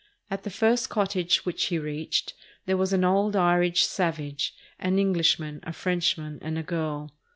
At the first cottage which he reached, there was an old Irish "savage," an Englishman, a Frenchman, and a girl.